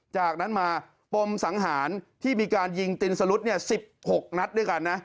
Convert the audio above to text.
จากนั้นมาปมสังหารที่มีการยิงตินสลุด๑๖นัดด้วยกันนะ